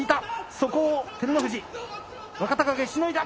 そこを照ノ富士、若隆景、しのいだ。